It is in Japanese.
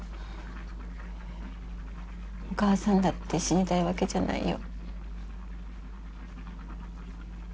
お母さんだって死にたいわけじゃないよ。